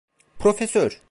Profesör!